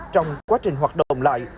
trong quá trình hoạt động lại